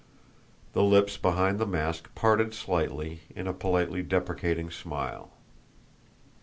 The lips beneath the mask parted slightly in a politely deprecating smile.